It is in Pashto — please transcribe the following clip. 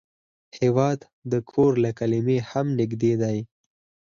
هېواد د کور له کلمې هم نږدې دی.